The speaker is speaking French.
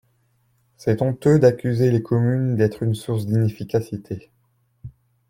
C’est honteux d’accuser les communes d’être une source d’inefficacité.